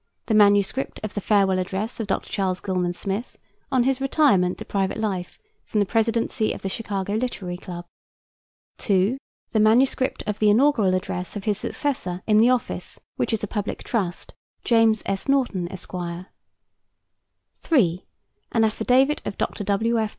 The manuscript of the farewell address of Dr. Charles Gilman Smith, on his retirement to private life from the presidency of the Chicago Literary Club; 2. The manuscript of the inaugural address of his successor in the office, which is a public trust, James S. Norton, Esq.; 3. An affidavit of Dr. W.F.